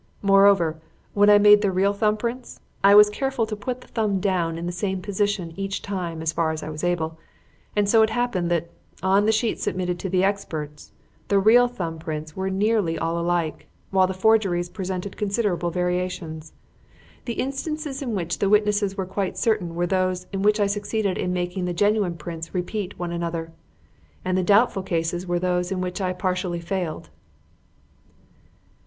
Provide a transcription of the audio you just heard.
Moreover, when I made the real thumb prints, I was careful to put the thumb down in the same position each time as far as I was able; and so it happened that, on the sheet submitted to the experts, the real thumb prints were nearly all alike, while the forgeries presented considerable variations. The instances in which the witnesses were quite certain were those in which I succeeded in making the genuine prints repeat one another, and the doubtful cases were those in which I partially failed."